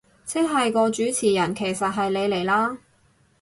即係個主持人其實係你嚟啦